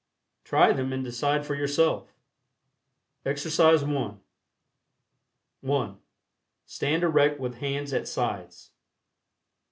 Try them and decide for yourself. EXERCISE I. (1) Stand erect with hands at sides.